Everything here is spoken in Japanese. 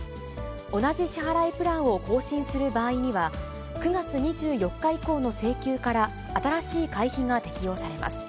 同じ支払いプランを更新する場合には、９月２４日以降の請求から新しい会費が適用されます。